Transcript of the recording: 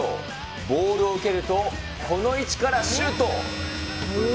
ボールを受けると、この位置からシュート。